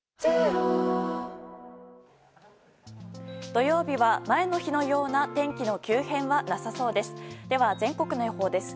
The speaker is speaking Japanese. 土曜日は、前の日のような天気の急変はなさそうです。